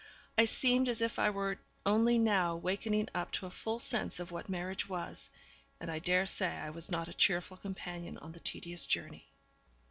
I seemed as if I were only now wakening up to a full sense of what marriage was, and I dare say I was not a cheerful companion on the tedious journey.